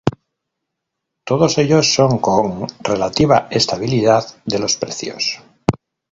Todos ellos con relativa estabilidad de los precios.